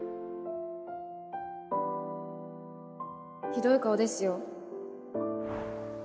ひどい顔ですよ。